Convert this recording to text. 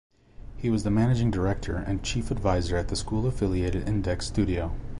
He was the managing director and chief advisor at the school-affiliated Indeks Studio.